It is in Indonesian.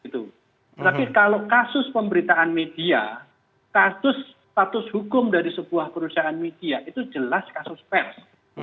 tapi kalau kasus pemberitaan media kasus status hukum dari sebuah perusahaan media itu jelas kasus pers